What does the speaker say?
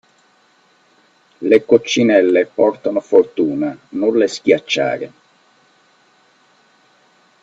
Le coccinelle portano fortuna, non le schiacciare!